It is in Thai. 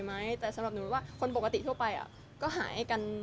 ไหมแต่สำหรับหนูว่าคนปกติทั่วไปก็หายกัน